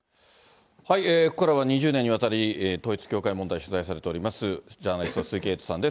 ここからは、２０年にわたり統一教会問題を取材されております、ジャーナリストの鈴木エイトさんです。